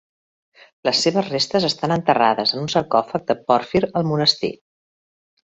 Les seves restes estan enterrades en un sarcòfag de pòrfir al monestir.